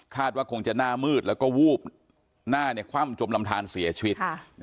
ว่าคงจะหน้ามืดแล้วก็วูบหน้าคว่ำจมลำทานเสียชีวิต